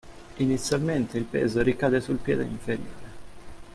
Inizialmente il peso ricade sul piede inferiore.